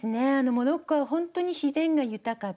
モロッコはほんとに自然が豊かで。